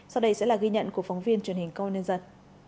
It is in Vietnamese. sau đây sẽ là ghi nhận của phóng viên truyền hình công an nhân dân